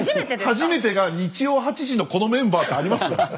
初めてが日曜８時のこのメンバーってあります？